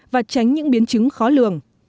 và tránh những biến chứng khó lường